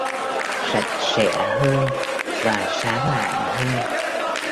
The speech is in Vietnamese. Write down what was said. Sạch sẽ hơn và sáng lạng hơn